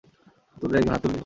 তোদের একজন হাত তুলবি না!